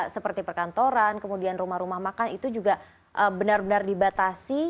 seperti perkantoran kemudian rumah rumah makan itu juga benar benar dibatasi